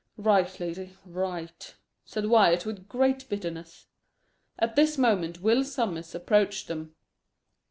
"Right, lady, right," said Wyat, with great bitterness. At this moment Will Sommers approached them.